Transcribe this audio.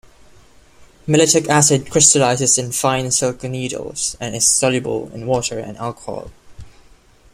Mellitic acid crystallizes in fine silky needles and is soluble in water and alcohol.